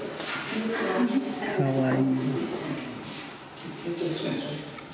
かわいい。